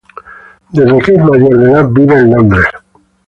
Desde que es mayor de edad, vive en Londres.